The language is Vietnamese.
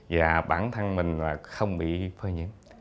và bản thân mình là không bị phơi nhiễm